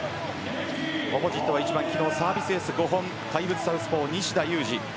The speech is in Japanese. オポジットはサービスエース５本怪物サウスポー西田有志。